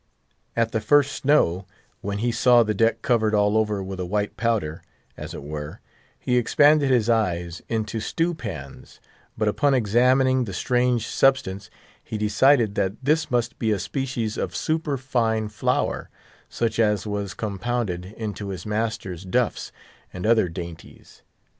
At the first snow, when he saw the deck covered all over with a white powder, as it were, he expanded his eyes into stewpans; but upon examining the strange substance, he decided that this must be a species of super fine flower, such as was compounded into his master's "duffs," and other dainties.